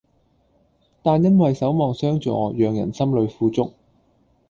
但因為守望相助讓人心裏富足